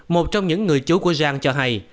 một trong những người chú của zhang cho hay